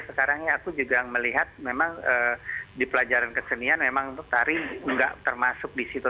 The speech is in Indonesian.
sekarang ini aku juga melihat memang di pelajaran kesenian memang untuk tari nggak termasuk di situ